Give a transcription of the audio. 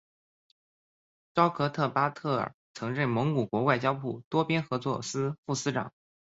朝格特巴特尔曾任蒙古国外交部多边合作司副司长。